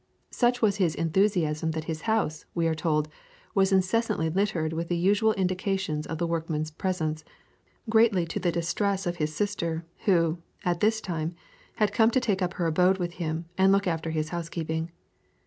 Such was his enthusiasm that his house, we are told, was incessantly littered with the usual indications of the workman's presence, greatly to the distress of his sister, who, at this time, had come to take up her abode with him and look after his housekeeping.